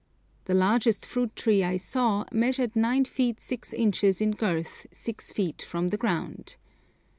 The largest fruit tree I saw measured nine feet six inches in girth six feet from the ground.